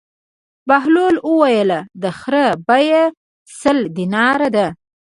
بهلول وویل: د خر بېه سل دیناره ده.